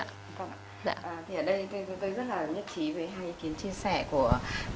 vâng ạ thì ở đây tôi rất là nhất trí với hai ý kiến chia sẻ của